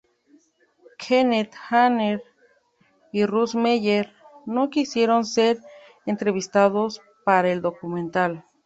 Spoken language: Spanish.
Kenneth Anger y Russ Meyer no quisieron ser entrevistados para el documental.